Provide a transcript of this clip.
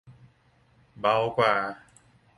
เบากว่า